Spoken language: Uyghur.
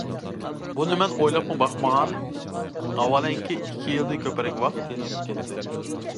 بۇنى مەن ئويلاپمۇ باقمىغان ۋاھالەنكى، ئىككى يىلدىن كۆپرەك ۋاقىت يەنە ئۆتۈپ كەتتى.